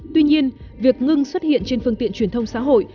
tuy nhiên việc ngưng xuất hiện trên phương tiện truyền thông xã hội